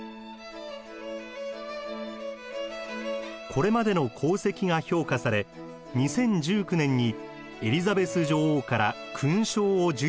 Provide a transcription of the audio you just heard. これまでの功績が評価され２０１９年にエリザベス女王から勲章を授与されました。